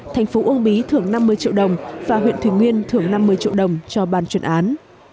thành phố uông bí thưởng năm mươi triệu đồng và huyện thủy nguyên thưởng năm mươi triệu đồng cho ban chuyển án